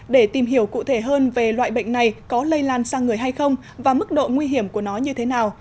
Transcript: để tìm hiểu cụ thể hơn về loại bệnh này có lây lan sang người hay không và mức độ nguy hiểm của nó như thế nào